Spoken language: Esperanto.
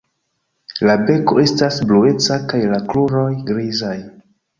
La beko estas blueca kaj la kruroj grizaj.